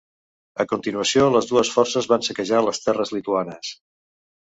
A continuació les dues forces van saquejar les terres lituanes.